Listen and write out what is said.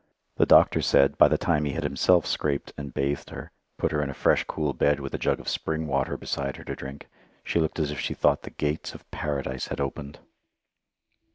The doctor said, by the time he had himself scraped and bathed her, put her in a fresh cool bed with a jug of spring water beside her to drink, she looked as if she thought the gates of Paradise had opened.